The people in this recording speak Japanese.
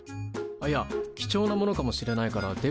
いや貴重なものかもしれないからデブリじゃない。